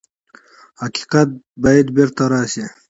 حقیقت باید بېرته راشي.